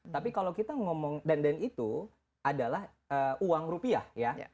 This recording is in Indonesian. tapi kalau kita ngomong dan itu adalah uang rupiah ya